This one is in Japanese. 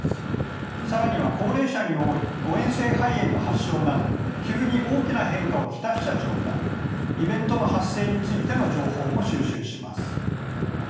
更には高齢者に多い誤えん性肺炎の発症など急に大きな変化を来した状態イベントの発生についての情報も収集します。